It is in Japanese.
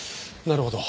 なるほど。